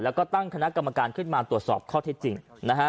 แล้วก็ตั้งคณะกรรมการขึ้นมาตรวจสอบข้อเท็จจริงนะฮะ